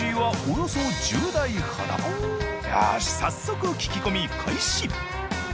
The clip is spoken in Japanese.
よし早速聞き込み開始！